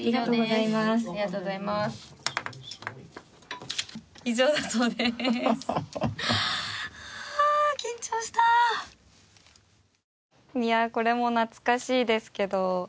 いやあこれも懐かしいですけど。